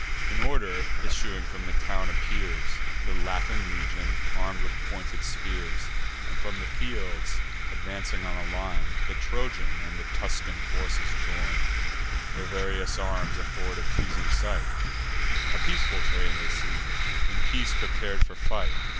In order issuing from the town appears The Latin legion, arm'd with pointed spears; And from the fields, advancing on a line, The Trojan and the Tuscan forces join: Their various arms afford a pleasing sight; A peaceful train they seem, in peace prepar'd for fight.